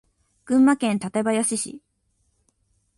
群馬県館林市